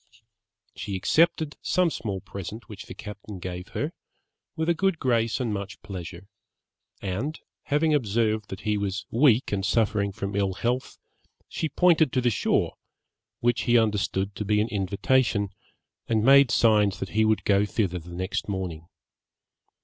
She accepted some small present which the captain gave her, with a good grace and much pleasure; and having observed that he was weak and suffering from ill health, she pointed to the shore, which he understood to be an invitation, and made signs that he would go thither the next morning.